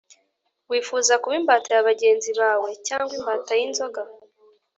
Wifuza kuba imbata ya bagenzi bawe cyangwa imbata y’ inzoga